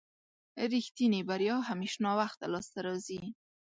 رښتينې بريا همېش ناوخته لاسته راځي.